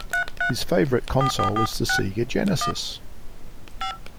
His favorite console is the Sega Genesis.